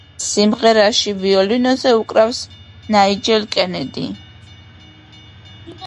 სიმღერაში ვიოლინოზე უკრავს ნაიჯელ კენედი.